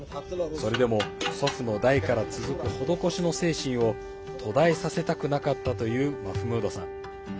それでも、祖父の代から続く施しの精神を途絶えさせたくなかったというマフムードさん。